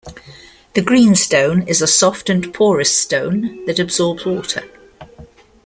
The greenstone is a soft and porous stone that absorbs water.